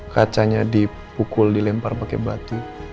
kacanya dipukul dilempar pakai batu